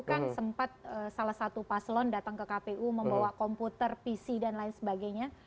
kan sempat salah satu paslon datang ke kpu membawa komputer pc dan lain sebagainya